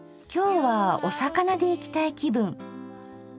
今日はお魚でいきたい気分。